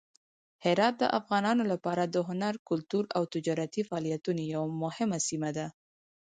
هرات د افغانانو لپاره د هنر، کلتور او تجارتي فعالیتونو یوه مهمه سیمه ده.